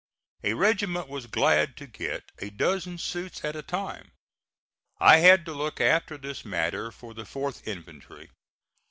A regiment was glad to get a dozen suits at a time. I had to look after this matter for the 4th infantry.